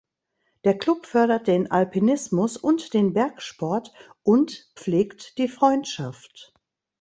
Der Club fördert den Alpinismus und den Bergsport und pflegt die Freundschaft.